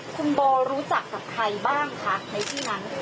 คุณโบรู้จักกับใครบ้างคะในที่นั้น